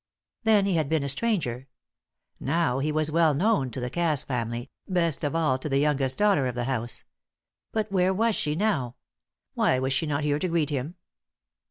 Then he had been a stranger; now he was well known to the Cass family, best of all to the youngest daughter of the house. But where was she now? Why was she not here to greet him?